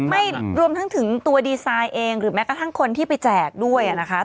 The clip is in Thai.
ไม่รวมทั้งถึงตัวดีไซน์เองหรือแม้กระทั่งคนที่ไปแจกด้วยนะคะ